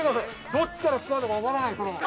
どっちから使うのか分からないフォルムで。